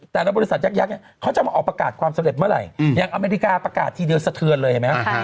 แต่ละบริษัทยักษ์เนี่ยเขาจะมาออกประกาศความสำเร็จเมื่อไหร่อย่างอเมริกาประกาศทีเดียวสะเทือนเลยเห็นไหม